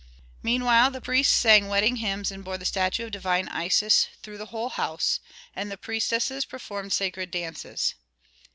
Meanwhile the priests sang wedding hymns and bore the statue of the divine Isis through the whole house; and priestesses performed sacred dances.